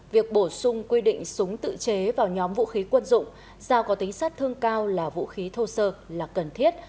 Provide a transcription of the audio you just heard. việc bổ sung quy định súng tự chế vào nhóm vũ khí quân dụng giao có tính sát thương cao là vũ khí thô sơ là cần thiết